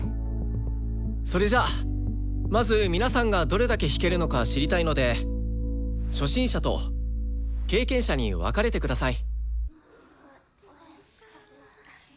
それじゃあまず皆さんがどれだけ弾けるのか知りたいので初心者と経験者に分かれてください。